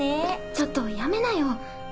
ちょっとやめなよ。